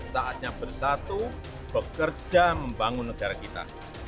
saatnya bersatu bekerja membangun negara kita